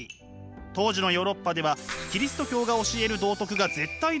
当時のヨーロッパではキリスト教が教える道徳が絶対でした。